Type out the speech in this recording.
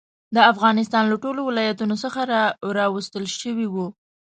د افغانستان له ټولو ولایتونو څخه راوستل شوي وو.